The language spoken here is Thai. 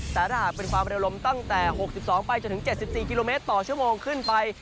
แต่ถ้าหากเป็นความเร็วลมตั้งแต่๖๒ไปจนถึง๗๔กิโลเมตรต่อชั่วโมงขึ้นไป